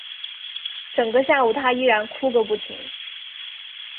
整个下午她依然哭个不停